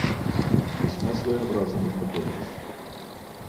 Весьма своеобразно ознакомились.